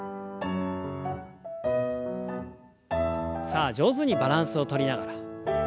さあ上手にバランスをとりながら。